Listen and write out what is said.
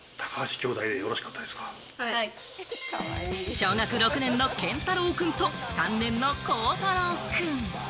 小学６年の健太郎くんと３年の孝太郎くん。